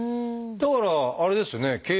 だからあれですよね？